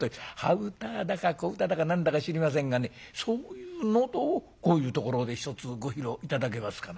端唄だか小唄だか何だか知りませんがねそういう喉をこういうところで一つご披露頂けますかな」。